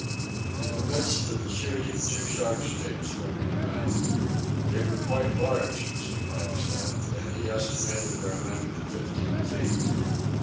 In the midst of the shooting, two sharks came swimming around. They were quite large, Mr. Pike said, and he estimated their length at fifteen feet.